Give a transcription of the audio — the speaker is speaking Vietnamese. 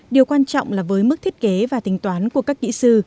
điều quan trọng là với mức thiết kế và tính toán của các kỹ sư